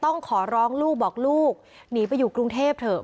ต้องขอร้องลูกบอกลูกหนีไปอยู่กรุงเทพเถอะ